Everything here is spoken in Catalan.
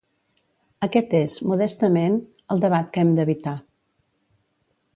Aquest és, modestament, el debat que hem d'evitar.